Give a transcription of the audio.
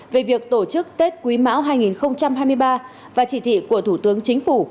về việc tổ chức tết quý mão hai nghìn hai mươi ba và chỉ thị của thủ tướng chính phủ